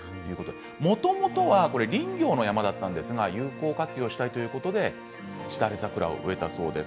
もともとは林業の山だったんですが有効活用したいということでしだれ桜を植えたそうです。